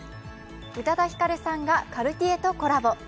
宇多田ヒカルさんがカルティエとコラボ。